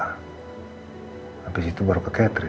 habis itu baru ke catherine